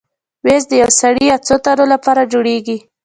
مېز د یو سړي یا څو تنو لپاره جوړېږي.